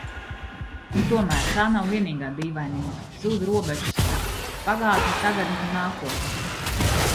Un tomēr – tā nav vienīgā dīvainība. Zūd robežas starp pagātni, tagadni un nākotni.